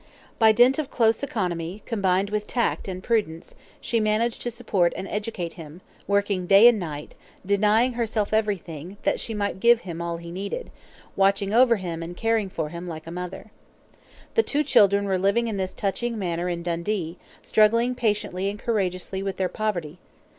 By dint of close economy, combined with tact and prudence, she managed to support and educate him, working day and night, denying herself everything, that she might give him all he needed, watching over him and caring for him like a mother. The two children were living in this touching manner in Dundee, struggling patiently and courageously with their poverty.